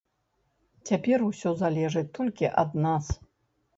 Цяпер усё залежыць толькі ад нас.